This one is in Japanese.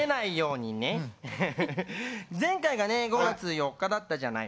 前回が５月４日だったじゃない。